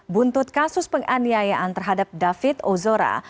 buntut kasus penganiayaan terhadap david ozora